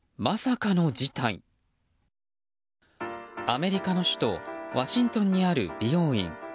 アメリカの首都ワシントンにある美容院。